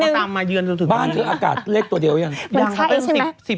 ลงมานิดนึงบ้านเธออากาศเล็กตัวเดียวยังมันใช่ใช่ไหม